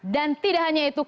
dan tidak hanya itu